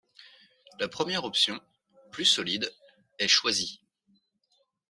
La première option, plus solide, est choisie.